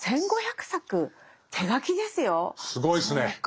１，５００作手書きですよ！